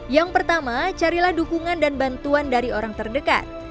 yang pertama carilah dukungan dan bantuan dari orang terdekat